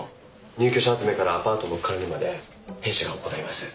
入居者集めからアパートの管理まで弊社が行います。